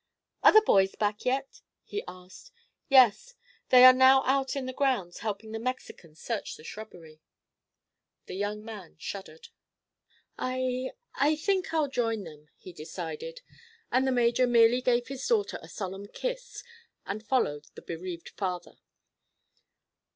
"Are the boys back yet?" he asked. "Yes; they are now out in the grounds, helping the Mexicans search the shrubbery." The young man shuddered. "I—I think I'll join them," he decided, and the major merely gave his daughter a solemn kiss and followed the bereaved father.